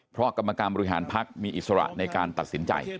เพราะกรรมการบริหารพักมีอิสระในการตัดสินใจ